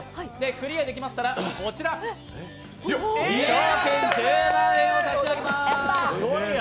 クリアできましたら、こちら、賞金１０万円を差し上げます。